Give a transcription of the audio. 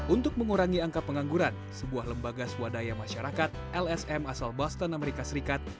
untuk mengurangi angka pengangguran sebuah lembaga swadaya masyarakat lsm asal boston amerika serikat